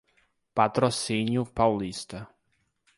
Patrocínio Paulista